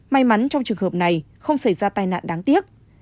may mắn trong trường hợp này không xảy ra tai nạn đáng tiếc